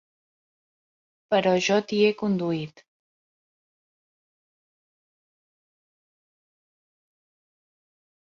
Però jo t'hi he conduït.